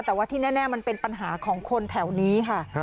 แต่ว่าที่แน่มันเป็นปัญหาของคนแถวนี้ค่ะ